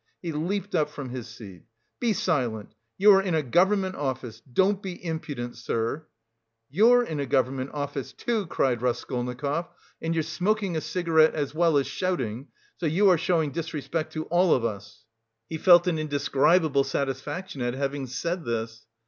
He leaped up from his seat. "Be silent! You are in a government office. Don't be impudent, sir!" "You're in a government office, too," cried Raskolnikov, "and you're smoking a cigarette as well as shouting, so you are showing disrespect to all of us." He felt an indescribable satisfaction at having said this.